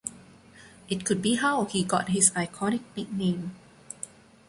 It could be how he got his iconic nickname.